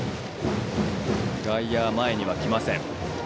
外野は前には来ません。